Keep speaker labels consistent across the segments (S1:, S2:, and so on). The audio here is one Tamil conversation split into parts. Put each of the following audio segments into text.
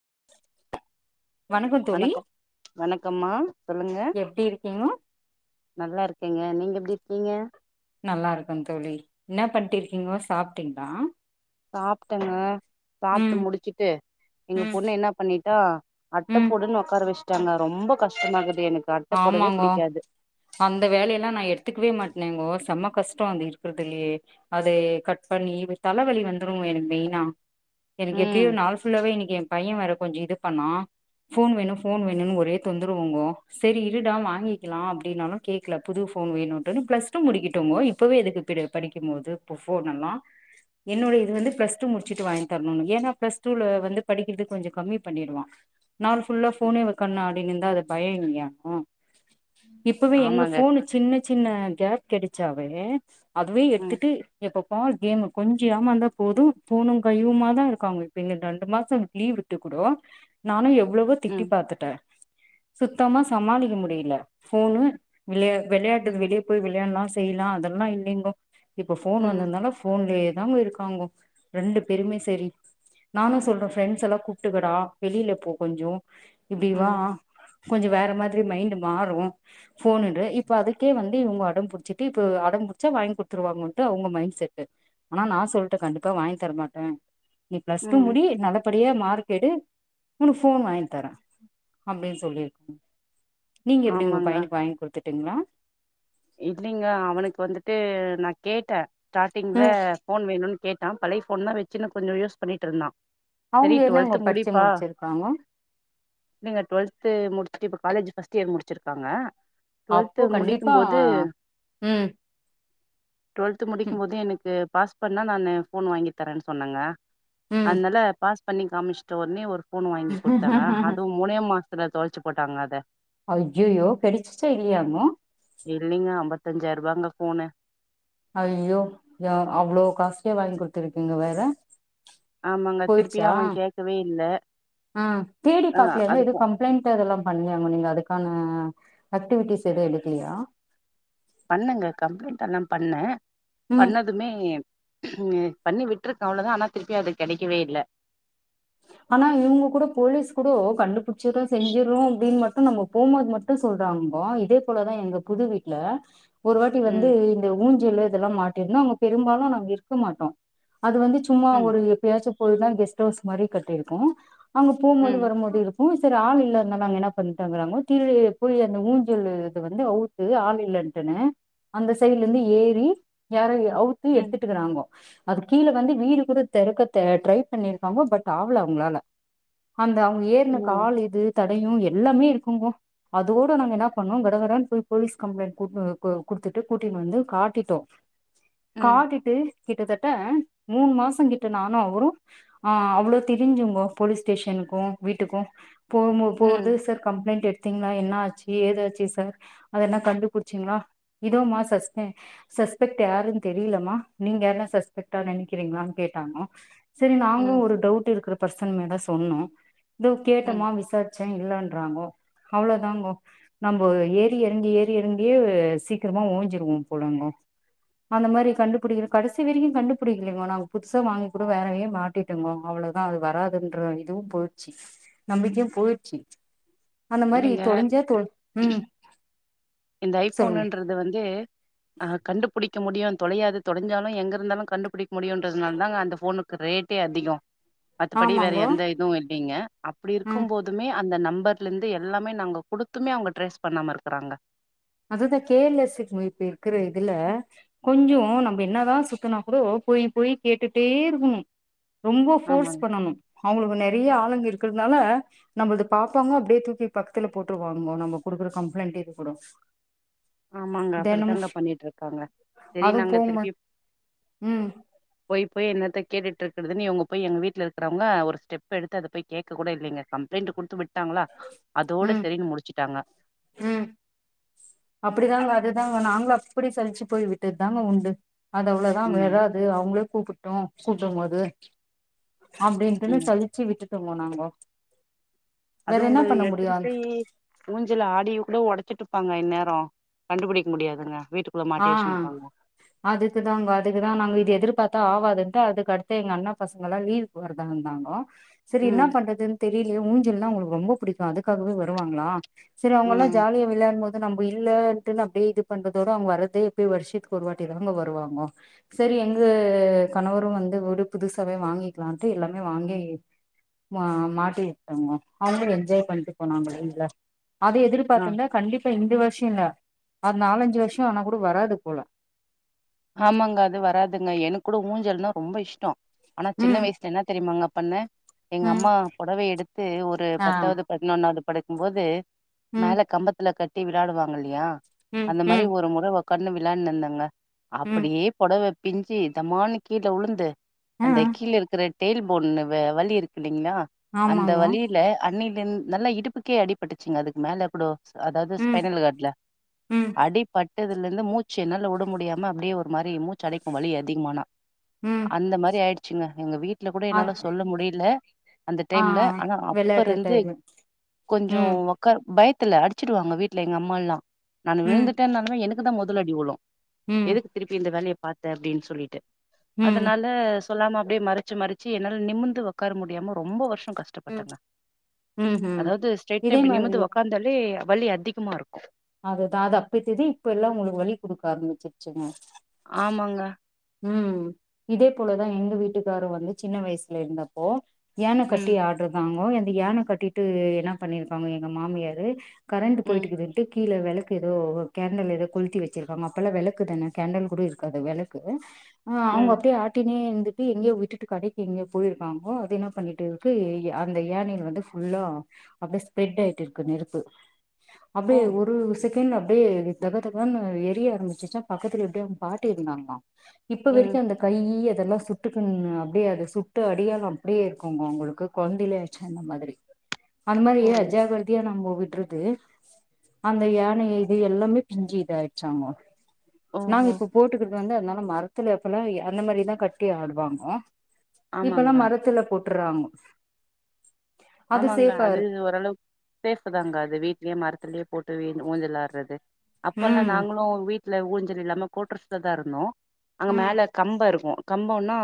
S1: [inaudible] தோழி
S2: வணக்கம் வணக்கம்மா சொல்லுங்க
S1: எப்டி இருக்கீங்கோ
S2: நல்லா இருக்கேங்க நீங்க எப்டி இருக்கீங்க
S1: நல்லா இருக்கு தோழி என்ன பண்டு இருக்கீங்கோ சாப்ட்டீங்களா
S2: சாப்ட்டங்க சாப்ட்டு
S1: ம்
S2: முடிச்சுட்டு எங்க
S1: ம்
S2: பொண்ணு என்ன பண்ணிட்டா அட்ட
S1: ம்
S2: பொடுன்னு உக்கார வச்சுட்டாங்க ரொம்ப கஷ்டமாக்கு
S1: ஆமாங்க அந்த வேலையெல்லா நா எடுத்துக்கவே மாட்டேனேங்கோ செம்ம கஷ்டொ அது இருக்குறதுலயே அதே கட் பண்ணி வெ தலவலி வந்துடு எனக்கு மெயினா எனக்கு எப்டியோ
S2: ம்
S1: ஒரு நாள் ஃபுல்லாவே இன்னைக்கி பைய வேற கொஞ்ச இது பண்ணா ஃபோன் வேணு ஃபோன் வேணுனு ஒரே தொந்தருவுங்கோ சரி இருடா வாங்கிக்கலா அப்டின்னாலு கேக்கல புது ஃபோன் வேணுட்டுன்னு பிளஸ் டூ முடிக்கிட்டோங்கோ இப்போவே எதுக்கு பிடி படிக்கும் போது இப்பொ ஃபோன் எல்லா என்னோட இது வந்து பிளஸ் டூ முடிச்சுட்டு வாங்கி தரணுனு ஏன்னா பிளஸ் டூல வந்து படிக்கிறதுக்கு கொஞ்சொ கம்மி பண்ணிடுவா நாள் ஃபுல்லா ஃபோனே வைக்கனுனு ஆடினிந்தா அது பய இல்லயா லாக்கோ இப்பவே எங்க
S2: ஆமாங்க
S1: ஃபோனு சின்ன சின்ன கேப் கெடச்சாவே அதுவே
S2: ம்
S1: எடுத்துட்டு எப்பப்பா கேமு கொஞ்ச ஏமாந்த போது ஃபோனு கைவுமா தா இருக்காங்க இப்ப இந்த ரெண்டு மாச லீவ் விட்டு கூடோ நானு எவ் வளவு திட்டி
S2: ம்
S1: பாத்துட்டே சுத்தமா சமாளிக்க முடியில ஃபோனு விள வெளையாடுறது
S2: ம்
S1: வெளியே போய் வெளையாட்லா செய்லா அதெல்லா இல்லைங்கோ இப்ப ஃபோன்
S2: ம்
S1: வந்திருந்தாலா ஃபோன்லயே தாங்க இருக்காங்கோ ரெண்டு பேருமே சரி நானு சொல்றே ஃப்ரெண்ட்ஸ் எல்லா கூப்ட்டுக்கடா வெளியில இப்போ கொஞ்சோ இப்டிவா
S2: ம்
S1: கொஞ்சோ வேற மாதிரி மைண்டு மாறு ஃபோன் எடு இப்ப அதுக்கே வந்து இவங்க அடம்பிடிச்சிட்டு இப்ப அடம் புடிச்சா வாங்கி கொடுத்துருவாங்கன்ட்டு அவங்க மைண்ட் செட்டு ஆனா நா சொல்ட்டே கண்டிப்பா வாங்கி தர மாட்டே நீ பிளஸ் டூ
S2: ம்
S1: முடி நல்லபடியா மார்க் எடு உனக்கு ஃபோன் வாங்கி தரே அப்டின்னு சொல்லி நீங்க எப்டி உங்க பையனுக்கு வாங்கி குடுத்துட்டீங்களா
S2: இல்லலைங்க அவனுக்கு வந்துட்டு நா கேட்டே ஸ்டார்ட்டிங்ல
S1: ம்
S2: ஃபோன் வேணுனு கேட்டா பழைய ஃபோன் தா வச்சுன்னு கொஞ்சொ யூஸ் பண்ணிட்டு இருந்தா சரி
S1: அவங்க என்னங்க
S2: டுவெல்த்
S1: படிச்சு முடிச்சிருக்காங்க
S2: நீங்க டுவெல்து முடிச்சுட்டு இப்ப காலேஜு ஃபர்ஸ்ட் இயர் முடிச்சிருக்காங்க டுவெல்து முடிக்கும் போ
S1: ஆ ம்
S2: டுவெல்து
S1: ம்
S2: முடிக்கும் போது எனக்கு பாஸ் பண்ணா நானு ஃபோன் வாங்கி தரேன்னு சொன்னங்க
S1: ம்
S2: அனால பாஸ் பண்ணி காமிச்சிட்ட ஒடனே ஒரு ஃபோன் வாங்கி குடுத்தேங்க அதுவு மூனே மாச் த்துல தொலச்சு போட்டாங்க அத
S1: ஐயய்யோ கேட்டசிச்சா இல்லையாங்கோ
S2: இல்லைங்க அம்பத்தஞ்சாயிர ரூபாங்க ஃபோனு
S1: ஐயோ ஏ அவ்ளோ காஸ்ட்லியா வாங்கி குடுத்துருக்கீங்க வேற
S2: ஆமாங்க திருப்பியு அவ கேக்கவே இல்ல
S1: அ தேடி
S2: ஆ
S1: பாக்லியாங்க
S2: அது
S1: எது
S2: போ
S1: கம்ப்ளைண்ட் அதெலா பண்ணாங்க நீங்க அதுக்கான அக்டிவிட்டீஸ் எது எடுக்லியா
S2: பண்ணங்க கம்ப்ளைண்ட் அல்லாம் பண்ண
S1: ம்
S2: பண்ணதுமே உம் பண்ணி விட்ருக்க அவ்ளதா ஆனா திருப்பி அது கெடைக்கவே இல்ல
S1: [inaudible] ஆனா இவுங்க கூட போலீஸ் கூடோ கண்டுபுடிச்சிறோ செஞ்சிர்றோ அப்டின் மட்டு நம்ம போம்போது மட்டு சொல்றாங்க இப்போ இதேபோலதா எங்க புது வீட்ல ஒரு வாட்டி வந்து
S2: ம்
S1: இந்த ஊஞ்சலு இதெலா மாட்டிருந்தோ அங்க பெரும்பாலு நாங்க இருக்க மாட்டோ அது வந்து சும்மா
S2: ம்
S1: ஒரு எப்பியாச்ச போய்தா கெஸ்ட் ஹவுஸ் மாரி கட்டிருக்கு அங்க போம்போது
S2: ம்
S1: வரம்போது இருக்கு சரி ஆளு கிழ இருந்தனா அங்க என்னாப் பண்ட்டாக்கறாங்கோ கீழியேப்போய் அந்த ஊஞ்சலு இது வந்து அவுத்து ஆள் இல்லன்ட்டுனு அந்த சைல்ல இந்து ஏறி யாரோ அவுத்து
S2: ம்
S1: எடுத்துட்டுக்கிறாங்கோ அதுக் கீழ வந்து வீடு கூட தெறக்க தே ட்ரை பண்ணி க்காங்கோ பட் ஆவல அவுங்ளால அந்த அவுங்க ஏர்ன
S2: ம்
S1: கால் இது தடையு எல்லாமே இருக்குங்கோ அதோட நாங்க என்ன பண்ணோ கட கடன் போய் போலீஸ் கம்ளைண்ட் குத்ட் கு கு குடுத்துட்டு கூட்டின் வந்து காட்டிட்டோ
S2: ம்
S1: காட்டிட்டு கிட்டத்தட்ட மூனு மாச கிட்ட நானு அவுரு ஆ அவ்ளோ திரிஞ்சுங்கோ போலீஸ் ஸ்டேஷனுக்கு வீட்டுக்கு போம்போ போர்து
S2: ம்
S1: சர் கம்ப்ளைண்ட் எட்த் திங்ளா என்ன ஆச்சி ஏதாச்சி சர் அத என்ன கண்டுபிடிச்சீங்ளா இதோமா சஸ் அ சஸ்பெக்ட் யாருன் தெரிலமா நீங்க யார்னா சஸ்பெக்ட்டா நெனைக்கிறீங்ளான் கேட்டாங்க சேரி நா
S2: ம்
S1: ஒரு டவுட் இருக்கிற பர்சன் மேல சொன்னோ இதோ
S2: ம்
S1: கேட்டம்மா விசார்ச்சே இல்லன்றாங்கோ அவ்ளோதாங்கோ நம்ம ஏறி இறங்கி ஏறி இறங்கியே சீக்கிரமா ஓஞ்சிருவோம் போலங்கோ அந்த மாரி கண்டுபிடிக்கற கடைசி வெரைக்கு கண்டுபிடிக்கலிங்கோ நாங்க புதுசா வாங்கி கூட வேறவே மாடிட் டங்கோ அவ்ளோதா அது வராதுன்ற இதுவு போயிட்ச்சி நம்பிக்கையும் போயிட்ச்சி அந்த மாரி
S2: இல்லைங்க
S1: தொலைஞ்சா தொ உம்
S2: இந்த ஐ போனுன்றது வந்து அ கண்டுபுடிக் இக்க முடியு தொலையாது தொலஞ்சாலு எங்கருந்தாலு கண்டுபிடிக்க முடியுன்றதுனால தாங்க அந்த போனுக்கு ரேட்டே அதிக அத்துபடி வேற
S1: ஆமாங்கோ
S2: எந்த இதுவு இல்லிங்க அப்டி
S1: ம்
S2: இருக்கும்போதுமே அந்த நம்பர்லந்து எல்லாமே நாங்க குடுத்துமே அவுங்க ட்ரேஸ் பண்ணாம இருக்கறாங்க
S1: அதுதா கேர்லஸ்சு இப்ப இருக்கிற இதுல கொஞ்சோ நம்ம என்னதா சுத்தனா கூடோ போய் போய் கேட்டுட்டே இருக்குனு ரொம்ப ஃபோர்ஸ்
S2: ஆமாங்க
S1: பண்ணுனு அவுங்ளுக்கு நெறைய ஆளுங்க இருப் இருக்கறனால நம்முள்து பாப்பாங்க அப்டியே தூக்கி பக்கத்துல போட்ருவாங்கோ நம்ம குடுக்குற கம்ப்ளைண்ட்டு இது கூட
S2: ஆமாங்க
S1: தெனமு
S2: அப்டித்தாங்க பண்ணிட்ருக்காங்க செரி
S1: அதுவு
S2: நாங்க
S1: போகும்போ
S2: திருப்பியு
S1: ம்
S2: போய் போய் என்னத்த கேட்டுட் ட்ருக்குறதுன்னு இவுங்க போய் எங்க வீட்ல இருக்றவுங்க ஒரு ஸ்டெப் எடுத்து அத போய் கேக்க கூட இல்லிங்க கம்ப்ளைண்ட்டு குடுத்துபெட் ட்டாங்களா அதோட சரின்னு முடிச்சுட்டாங்க
S1: உம் அப்படிதாங்க அதுதாங்க நாங்ளு அப்டி சலிச்சு போய் விட்டத் தாங்க உண்டு அது அவ்ளோதா
S2: ம்
S1: வெராது அவுங்ளே கூப்புட்டு கூப்டும்போது அப்டின்ட்டுனு
S2: ம்
S1: சலிச்சி விட்டுட்டுங்கோ நாங்கோ
S2: அது
S1: வேற என்ன
S2: உங்க
S1: பண்ண முடியு
S2: எடுத்துன்டை ஊஞ்சல ஆடிய கூட ஒடச் ச்சிட்டுப்பாங்க இந்நேர கண்டுபிடிக்க முடியாதுங்க வீட்டுக்குள்ள
S1: ஆ
S2: மாட்டி வச்சுனுப்பாங்க
S1: அதுக்குதாங்க அதுக்குதா நாங்க இது எதிர்பாத் தா ஆவாதுன்ட்டு அதுக்கு அடுத்து எங்க அண்ணா பசங்கலா லீவுக்கு வறதா இந்தாங்கோ சரி
S2: ம்
S1: என்னப் பண்றதுன் தெரியலியே ஊஞ்சல்லா அவுங்ளுக்கு ரொம்ப புடிக்கு அதுக்காகவே வருவாங்ளா சரி அவுங்கலா
S2: ம்
S1: ஜாலியா விளையாட்ம்போது நம்ம இல்லன்ட்டு அப் இது பண்றதோட அவுங்க வர்றது தே எப்பியோ வருஷத்துக்கு ஒரருவாட்டி தானங்க வருவாங்கோ செரி எங்க கணவரு வந்து ஒரு புதுச வாங்கிக்லான்ட்டு எல்லாமே வாங்கி மா மாட்டிட்டங்கோ அவுங்களு என்ஜாய் பண்ட்டு போனாங்களே இல்ல அத
S2: ஆ
S1: எதிர்பாத்துந்தா கண்டிப்பா இந்த வருஷோ இல்ல அது நாலஞ்சி வருஷோ ஆனாக் கூ கு வராது போல
S2: ஆமாங்க அது வராதுங்க எனக் கூட ஊஞ்சல்னா ரொம்ப இஷ்டோ ஆனா சின்ன
S1: ம்
S2: வய்சுல என்ன தெரியுமாங்கப் பண்ண எங்க
S1: ம்
S2: அம்மா பொடவ எடுத்து ஒரு
S1: ஆ
S2: பத்தாவது பதினொன்னாவது படிக்கும்போது
S1: ம்
S2: மேல கம்பத்துல கட்டி விளாடுவாங்க இல்லியா
S1: ம்
S2: அந்த மாரி
S1: ம்
S2: ஒரு மொற ஊக்காண்ணு விளான்னுந்தங்க
S1: ம்
S2: அப்டியே பொடவ பிஞ்சி தமால்னு கீழ உலுந்து
S1: ஆ
S2: அந்த கீல இருக்குற டெயில் போன்னு வ வலி இருக்கு இல்லைங்ளா அந்த
S1: ஆமாங்க
S2: வலில அன்னில் லென் நல்லா இடுப்புக்கே அடிபட்டுச்சிங்க அதுக் மேல குடோ அதாவ்து
S1: ம்
S2: ஸ்பைனல் கார்ட்ல
S1: ம்
S2: அடி பட்டதுலருந்து மூச்சி என்னால வுட முடியாம் ம் அப்டியே ஒரு மாரி மூச்சடைக்கு வலி அதிகமானா
S1: ம்
S2: அந்த மாரி ஆயிடுச்சிங்க எங்க வீட் ல கூட என்னால
S1: அத்
S2: சொல்ல முடில அந்த
S1: ஆ
S2: டைம்ல ஆனா
S1: வெளையாட்டு
S2: அப்பருந்து
S1: டைமு
S2: கொஞ்சோ
S1: ம்
S2: ஒக்கார் பய்த் துல அடிச்சிடுவாங்க வீட்டுல எங்க அம்மால்லா நானு
S1: ம்
S2: விழுந்துட்டன்னாலுமே எனக்கு தா மெதல் அடி வுலு
S1: ம்
S2: எதுக்கு திருப்பி இந்த வேலைய பாத்த அப்டின் சொல்லிட்டு
S1: ம்
S2: அதனால சொல்லாம அப்டியே மறச்சி மறச்சி என்னால நிமிந்து ஒக்கார முடியாம ரொம்ப வருஷ் ஷோ
S1: ம்
S2: கஷ்டப்பட்டங்க
S1: ம் ம்
S2: அதாவது ஸ்டேட்டா
S1: இதே
S2: இப்டி நிமுந்து
S1: மாதிரிதா
S2: ஒக்காந்தாலே வலி அதிகமாருக்கு
S1: அதுதா அத அப்பத்தெதி இப்ப எல்லா உங்களுக்கு வலி குடுக்க ஆரம்பிச்சிச்சிங்க
S2: ஆமாங்க
S1: ம் இதே போலதா எங்க வீட்டுக்காரு வந்து சின்ன வயசுல இருந்தப்போ யான கட்டி
S2: ம்
S1: ஆட்றுக்காங்கோ அந்த யான கட்டிட்டு என்ன பண்ணிருக்காங்க எங்க மாமியாரு கரண்ட்டு
S2: ம்
S1: போயிட்டுக்குது கீல வெளக்கு ஏதோ கேண்டெல் ஏதோ கொள்த்தி வெச்சிருக்காங்க அப்போல்லா வெளக்கு தான கேண்டெல் கூட இருக்காது வெளக்கு அ அ அவுங்க
S2: ம்
S1: அப்டியே ஆட்டினே இருந்துட்டு எங்கயே விட்டுட்டு கடைக்கு எங்யோ போயிருக்காங்கோ அது என்ன பண்ணிட்டுருக்கு அந்த ஏனைல வந்து ஃபுல்லா அப்டியே ஸ்ப்ரெட் ஆய்ட்டு இருக்கு நெருப்பு
S2: ஓ
S1: அப்டியே ஒரு செக் கேன்ட் அப்டியே தகத்தகன்னு எரிய ஆரம்பிச்சிச்சா பக்கத்துல எப்டியோ அவங்க பாட்டி இருந்தாங்ளா இப்ப
S2: ம்
S1: வெரிக்கு அந்த கையி இதெல்லா சுட்டுக்குன்னு அப்டியே அது சுட்டு அடியாளோ அப்டியே இருங்குங்கு அவுங்களுக்கு கொழந்தைலே ஆச்சா என்ன மாதிரி அந்த மாதிரி
S2: ஓ
S1: அஜாக்ரதையா நம்ம விட்றது அந்த யான இது எல்லாமே பிஞ்சி இது ஆய்டச்சாமா நாங்க
S2: ஓஹோ
S1: இப்ப போட்டுக்கற் து வந்து அதனால மரத்துல அப்பல்லா அந்த மாதிரிதா கட்டி ஆடுவாங்க இப்பல்லா
S2: ஆமாங்க
S1: மரத்துல போட் டுற்றாங்கோ
S2: ஆமாங்க அது ஓரளவுக் சேஃப்ஃபுதாங்க அது வீட்லியு மரத்துலயு போட் டு ஊஞ்சல் ஆட்றது அப்பல்லா
S1: ம்
S2: நாங்களு வீட்டுல ஊஞ்சல் இல்லாம கோட்ரஸ்லதாருந்தோ அங்க
S1: ம்
S2: மேல கம்பருக்கு கம்போன்னா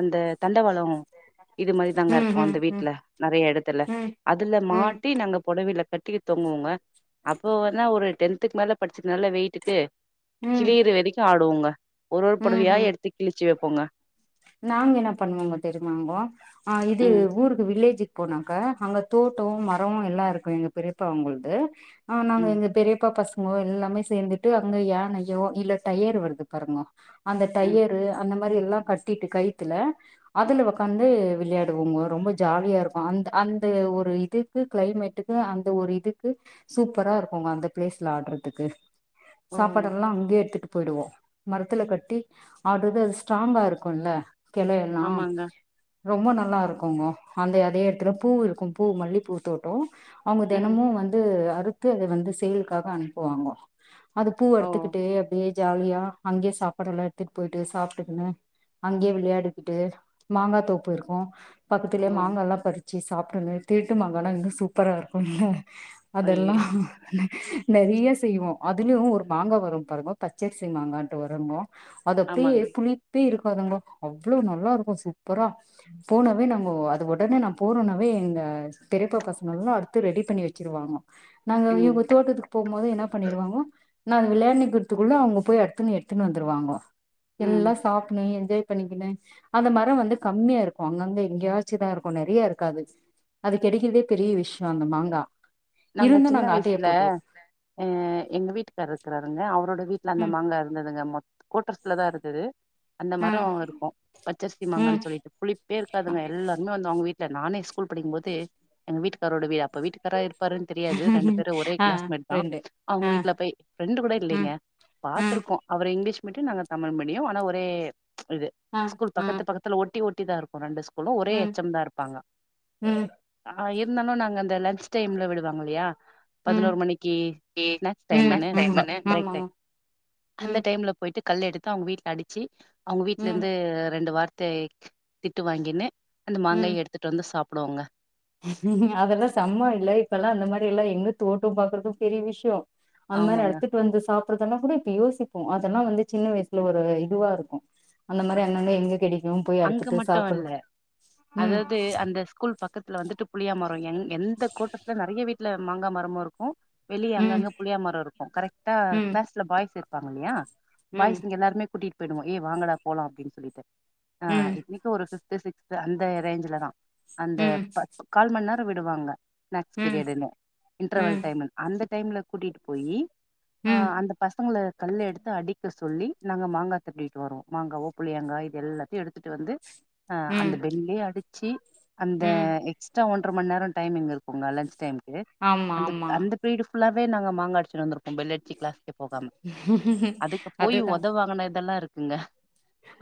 S2: அந்த தண்டவாளோ இது
S1: ம்
S2: மாதிரிதாங்கருக்குகோ
S1: ம்
S2: அந்த
S1: ம்
S2: வீட்ல நெறைய எடத்துல
S1: ம்
S2: அதுல மாட்டி நாங்க பொட வில கட்டிக் தெங்குவோங்க அப்போவ நா ஒரு டென்துக்கு மேல படிச்சதுனால்ல வெயிட்டுக்கு
S1: ம் ம்
S2: கிலிற வெரிக்கு ஆடுவோங்க ஒரு ஒரு
S1: ம்
S2: பொடவையா
S1: ம்
S2: எடுத்து கிலிச்சி வெப்போங்க
S1: நாங்க என்ன பண்ணுவோங்க தெரியுமாங்கோ அ இது
S2: ம்
S1: ஊருக்கு வில்லேஜு போனாக்கா அங்க தோட்டோ மரம் எல்லாருக்கோ எங்க பெரியப்பாங்குள்து அ நாங்க
S2: ம்
S1: எங்க பெரியப்பா பசங்கோ எல்லாமே சேந்துட்டு அங்க யானையோ இல்ல டயர் வருது பாருங்க அந்த
S2: ம்
S1: டயரு அந்த மாரி எல்லா கட் டிட்டு கயித்துல அதுல ஒக்காந்து விளியாடுவோங்கோ ரொம்ப ஜாலியாருக்கு அந்த அந்த ஒரு ஒரு இதுக்கு கிளைமேட்டுக்கு அந்த ஒரு இதுக்கு சூப்பராருக்குங்க அந்த பிளேஸ்ல ஆட்றதுக்கு
S2: ஓ
S1: சாப்பாடெல்லா அங்கயே எடுத்துட்டு போயிடுவோ மரத்துல கட்டி ஆட்றது அது ஸ்ட்ராங்காருக் குல்ல கெளையெல்லா
S2: ஆமாங்க
S1: ரொம்ப நல்லாருக்கோங்கு அந்த அதே எடத்துல பூவு இருக்கு பூ மல்லி பூ தோட்டோ அவுங்க
S2: ம்
S1: தெனமு வந்து அறுத்து அத வந்து சேல்க்காக அனுப்புவாங்கோ அது பூ
S2: ஓ
S1: எடுத்துக்கிட்டே அப்டியே ஜாலியா அங்யே சாப்பாடெல்லா எடுத்துட் போயிட்டு சாப்ட்டுக்குன்னு அங்யே விளையாடிக்கிட்டு மாங்கா தோப்பு இருக்கோ பக்கத்துல
S2: ஓ
S1: மாங்கால்லா பறிச் ச்சி சாப்பிடனனு திருட்டு மாங்கானா இன்னு சூப்பரா இருக்குல்ல அதெல்லா
S2: ஐயயோ
S1: நெறையா செய்வோ அதுலயு ஒரு மாங்கா வரு பாருங்கோ பச்சரிசி மாங்கான்ட்டு வருங்கோ அதப்படியே
S2: ஆமாங்க
S1: புளிப் ப்பே இருக்காதுங்க அவ்ளோ நல்லா இருக்கு சூப்பரா போனவே நாங்கோ அது உடனே நா போனனவே எங்க தெரியப்பா பசங்கெல்லா அடுத்து ரெடி பண்ணி வச்சுருவாங்க நாங்க
S2: ம்
S1: இவுங்க தோட்டத்துக்கு போம் போது என்னாப் பண்ணிடுவாங்கோ நானு விளையாண்ணிக்கிறதுக்குள்ள அவங்க போய் அடுத்துன்னு எடுத்துன்னு வந்துருவாங்கோ
S2: ம்
S1: எல்லா சா நி என்ஜாய் பண்ணிக்கினே அந்த மரவந்து கம்மியா இருக்கு அங்கங்க எங்கையாச்சுதா இருக்கு நெறைய இருக்காது அது கெடைக்கறதே பெரிய விஷயோ அந்த மாங்கா
S2: நாங்க
S1: இருந்து
S2: சின்ன
S1: ஆட்டைய
S2: வயசுல
S1: போட்ருவோ
S2: அ எங்க வீட்டுக்கார இருக்கிறாருங்க அவரோட வீட் ல்ல அந்த
S1: ம்
S2: மாங்கா இருந்ததுங்க மொ கோட்ர்ஸ்லதா இருந்தது அந்த
S1: ஆ
S2: மரோ இருக்கு பச்சரிசி
S1: ம்
S2: மாங்கன்னு சொல்லிட்டு புளிப்பே இருக்காதுங்க எல்லாருமே வந்து அவங்க வீட் இல்ல நானே ஸ்கூல் படிக்கும்போது எங்க வீட்டுக்காரோட வீ அப்ப வீட்டுக்காரா இரு பாருன்னு தெரியாது ரெண்டு பேரு ஒரே
S1: ஆ
S2: கிளாஸ்மேட் தா
S1: ரெண்டு
S2: அவங்க
S1: ஆ
S2: வீட்டுல போய் ஃப்ரெண்டு கூட இல்லீங்க
S1: ம் ஆ
S2: பாத்துருக்கோ அவர் இங்கிலீஷ் மீட்டு நாங்க தமிழ் மீடியோ ஆனா ஒரே இது
S1: ஆ
S2: ஸ்கூல்
S1: ஆ
S2: பக்கத்து பக்கத்தில ஒட்டி ஒட்டி தா இருக்கு ரெண்டு ஸ் கூலு ஒரே
S1: ம்
S2: எச்சம் தா இருப்பாங்க
S1: ம்
S2: அ இருந்தாலு நாங்க அந்த லன்ச் டை ம்ல விடுவாங்க இல்லயா
S1: ம்
S2: பதினோரு மணிக்கு ஸ்னேக்ஸ்
S1: ம்
S2: டைமுன்னு ப
S1: ம்
S2: ப்ரேக்
S1: ஆமாங்க
S2: டைம் அந்த
S1: ம்
S2: டைம்ல போயிட்டு கல் எடுத்து அவங்க வீட்டில அடிச்சி அவங்க
S1: ம்
S2: வீட்லிருந்து ரெண்டு வார்த்தை திட்டு வாங்கின்னு அந்த
S1: ம்
S2: மாங்காயை எடுத்துட்டு வந்து சாப்பிடுவுங்க
S1: அதெல்லா செம்ம இல்ல இப்ப எல்லா அந்த மாரி எல்லா எங்க தோட்டோ பாக்கறது பெரிய விஷயோ அந்த மாரி
S2: ஆமாங்க
S1: அடுத்துட்டு வந்து சாப் அப்புறோ பண்ணாக்கூட இப்ப யோசிப்போ அதெல்லா வந்து சின்ன வயசுல ஒரு இதுவா இருக்கு அந்த மாரி அன்னன்ன எங்க கிடை
S2: அங்க மட்டு இல்ல
S1: ம்
S2: அதாவது அந்த ஸ்கூல் பக்கத்தில வந்துட்டு புளியா மரோ எங் எந்த கோட்டர்ஸில நெறைய வீட்டில மாங்கா மரமு இருக்கு வெளியே
S1: ம்
S2: அங்கங்க புளியா மரோ இருக்கு கரெக்டா
S1: ம்
S2: கிளாஸ்ல பாய்ஸ் இருப்பாங்க இல்லையா
S1: ம்
S2: பாய்சுங்க எல்லாருமே கூட்டிட்டு போயிடுவோ ஏய் வாங்கடா போலா அப்டின்னு சொல்லிட்டு ஆ
S1: ம்
S2: இத்தினிக்கு ஒரு ஃபிஃப்து சிக்ஸ்து அந்த ரேஞ்ச்ல தா அந்த
S1: ம்
S2: ப கால் மண் நே ர விடுவாங்க ஸ்னேக்ஸ்
S1: ம்
S2: பீரியடுன்னு இன்டர்வல்
S1: ம்
S2: டைமு அந்த டைம்ல கூட்டிட்டு போயி ஆ
S1: ம்
S2: அந்த பசங்கள கல் எடுத்து அடிக்க சொல்லி நாங்க மாங்கா தட்டிட்டு வருவோ மாங்காவோ புளியங்காய் இது எல்லாத்தையு எடுத்துட்டு வந்து ஆ
S1: ம்
S2: அந்த பெல்லிலே அடிச்சு அந்த
S1: ம்
S2: எஸ்ட்ரா ஒன் ன்றை மணி நேரம் டைமி்ங் இருக்குங்க லன்ஞ் டைமுக்கு
S1: ஆமா
S2: அந்த
S1: ஆமா
S2: அந்த ப்ரீட் ஃபுல்லாவே நாங்க மாங்க அடுச்சு வந்து இரு ம் பெல் அடிச்சு கிளாஸ்க்கே போகாம அதுக்கு போயி
S1: அதுதா
S2: ஒதவாங்குனதெல்லா இருக்குங்க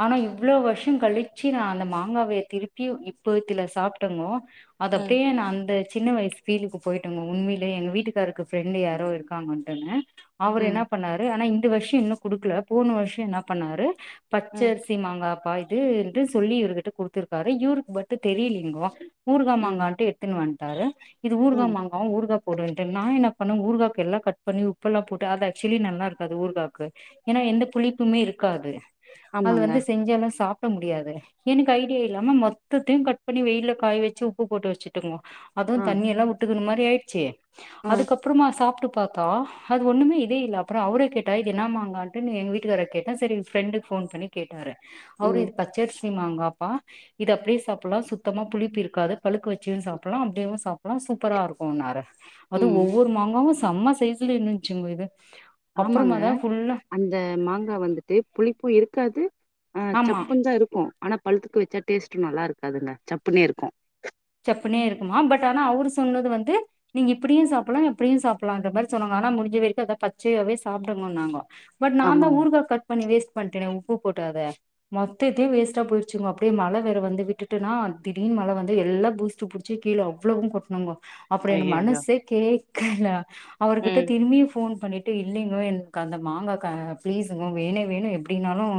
S1: ஆனா இவ்ளோ வருஷோ கழிச்சு நா அந்த மாங்காவே திருப்பி இப்பத்துல சாப்பிட்டனோ அது
S2: ம்
S1: அப்டியே நா அந்த சின்ன வயசு ஃபீல்க்கு போயிட்டங்க உண்மையிலே எங்க வீட்டுக்காருக்கு ஃப்ரெண்டு் யாரோ இருக்காங்கட்டுன்னு அவரு
S2: ம்
S1: என்ன பண்ணாரு ஆனா இந்த வர்ஷய இன்னு குடுக்கல போன வருஷய என்னாப் பண்ணாரு
S2: ம்
S1: பச்சரிசி மாங்காப்பா இதுண்டு சொல்லி இவர்கிட்ட குடுத்துருக்காரு இவருக்கு பட்டு தெரியலிங்கோ ஊறுகா
S2: ம்
S1: மாங்கான்ட்டு எடுத்துனு வன்ட்டாரு இது ஊறுகா
S2: ம்
S1: மாங்காவ ஊறுகா போடுன்ட்டு நா என்ன பண்ணோ ஊறுகாக்கு எல்லா கட் பண்ணி உப்பெல்லா போட்டு அது ஆக்சுவலி நல்லா இருக்காது ஊறுகாக்கு ஏனா எந்த புளிப்புமே இருக்காது அது
S2: ஆமாங்க
S1: வந்து செஞ்சாலு சாப் பிட முடியாது எனக்கு ஐடியா இல்லாம மொத்தையு கட் பண்ணி வெயில காய வச்சு உப்பு போட்டு வச்சுட்டுங்கோ அதுவு
S2: ஆ
S1: தண்ணி எல்லாம் வுட்டுக்குன மாரி ஆயிடுச்சு
S2: ஆ
S1: அதுக்கப்புறமா சாப்புட்டு பாத்தா அது ஒண்ணமே இதே இல்ல அப்புறோ அவுர கேட்டா இது என்ன மாங்கனுட்டு எங்க வீட்டுக்கார கேட்டா செரி ஃப்ரெண்டு ஃபோன் பண்ணி கேட்டாரு அவரு
S2: ம்
S1: இது பச்சரி சி மாங்காப்பா இது அப்டியே சாப்பிடலா சுத்தமா புளிப்பு இருக்காது பழுக்க வச்சும் சாப்பிடலா அப்டியேவு சாப் ல்லாம் சூப்பரா இருக்குன்னாரு அது
S2: ம்
S1: ஒவ்வொரு மாங்காவு செம்ம சைஸ்ல இருந்துசுங்க இது
S2: ஆமாங்க
S1: அப்புறமா தா ஃபுல்லா
S2: அந்த மாங்கா வந்துட்டு புளிப்பு இருக்காது அ
S1: ஆமா
S2: சப்புன் தா இருக்கு ஆனா பழ்த்துக்கு வெச்சா டேஸ்ட்டு நல்லா இருக்காதுங்க சப்புனே இருக்கு
S1: சப்புனே இருக்குமா பட் அனா அவுரு சொன்னது வந்து நீங்க இப்புடியு சாப்புலா எப்டியு சாப்லா இந்த மாரி சொன்னாங்க அனா முடிஞ்ச வெரிக்கு அத பச்சயாவே சாப்டுங்கோன்னாங்க பட் நாந்தா
S2: ஆமாங்க
S1: ஊறுகா கட் பண்ணி வேஸ்ட் பண்ட்டனே உப்பு போட்டு அத மொத்தத்யு வேஸ்ட்டா போயிற்ச்சுங்கோ அப்டே மழ வேற வந்து விட்டுட்டுனா திடீன் மழ வந்து எல்லா பூஸ்டு புட்ச்சி கீழ அவ்ளோவு கொட்னொங்கொ அப்ற எனு
S2: ஐயையோ
S1: மனசே கேக்கல
S2: ம்
S1: அவுர்குட்ட திருமியு ஃபோன் பண்ணிட்டு இல்லிங்கோ என்க் அந்த மாங்கா க ப்ளீஸுகு வேணே வேணு எப்டின்னாலு